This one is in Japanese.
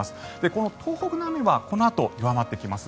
この東北の雨はこのあと弱まってきます。